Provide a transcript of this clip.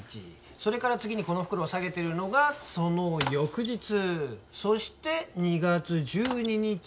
それから次にこの袋を提げてるのがその翌日そして２月１２日